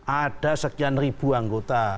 ada sekian ribu anggota